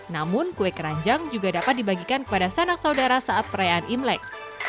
namun kue keranjang juga dapat dibagikan kepada sanak saudara saat perayaan imlek